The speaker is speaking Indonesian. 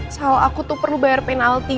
kalau aku tuh perlu bayar penalti